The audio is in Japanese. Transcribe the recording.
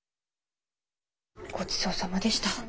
ごちそうさまでした。